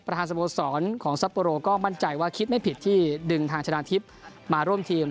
สโมสรของซัปโปโรก็มั่นใจว่าคิดไม่ผิดที่ดึงทางชนะทิพย์มาร่วมทีม